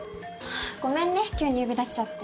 ごめんね急に呼び出しちゃって。